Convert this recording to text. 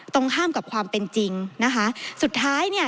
ตรงข้ามกับความเป็นจริงนะคะสุดท้ายเนี่ย